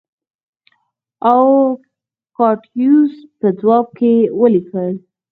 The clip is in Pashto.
اوکتایوس په ځواب کې ولیکل